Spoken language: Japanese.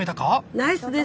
ナイスです！